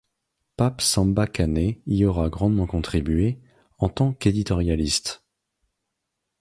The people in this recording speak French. Pape Samba Kane y aura grandement contribué, en tant qu'éditorialiste.